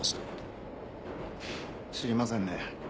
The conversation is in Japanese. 知りませんね。